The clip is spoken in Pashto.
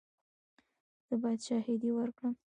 ایا زه باید شاهدي ورکړم؟